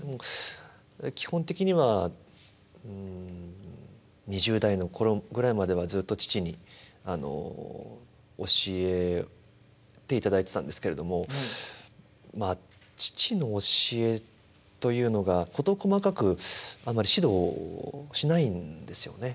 基本的にはうん２０代の頃ぐらいまではずっと父に教えていただいてたんですけれどもまあ父の教えというのが事細かくあんまり指導しないんですよね。